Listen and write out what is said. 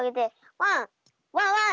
ワンワンワン！